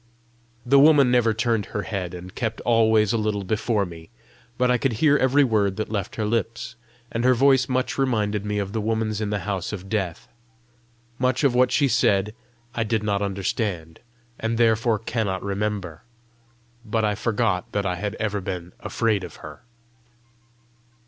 The woman never turned her head, and kept always a little before me, but I could hear every word that left her lips, and her voice much reminded me of the woman's in the house of death. Much of what she said, I did not understand, and therefore cannot remember. But I forgot that I had ever been afraid of her.